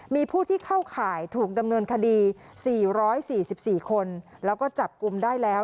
มีผู้ที่เข้าข่ายถูกดำเนินคดี๔๔คนแล้วก็จับกลุ่มได้แล้ว